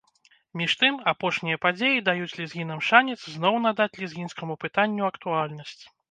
Між тым, апошнія падзеі даюць лезгінам шанец зноў надаць лезгінскаму пытанню актуальнасць.